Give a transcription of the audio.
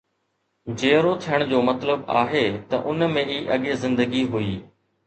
جيئرو ٿيڻ جو مطلب آهي ته ان ۾ اڳي زندگي هئي.